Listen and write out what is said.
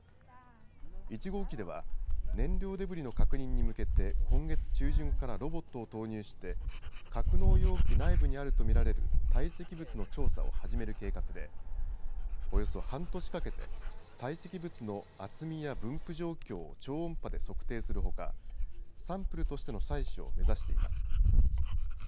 １号機では「燃料デブリ」の確認に向けて今月中旬からロボットを投入して格納容器内部にあるとみられる堆積物の調査を始める計画でおよそ半年かけて堆積物の厚みや分布状況を超音波で測定するほかサンプルとしての採取を目指しています。